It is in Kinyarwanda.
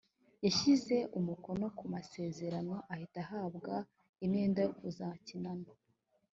yashyize umukono ku masezerano ahita ahabwa imyenda yo kuzakinana